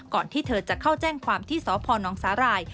ที่เธอจะเข้าแจ้งความที่สพนสาหร่าย